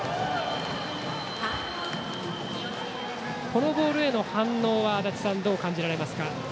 このボールへの反応は足達さん、どう感じられますか。